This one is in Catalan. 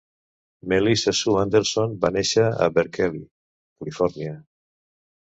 Melissa Sue Anderson va néixer a Berkeley, Califòrnia.